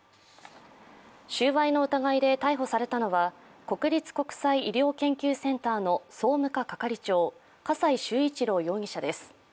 収賄の疑いで逮捕されたのは国立国際医療研究センターの総務課係長、笠井崇一郎容疑者です。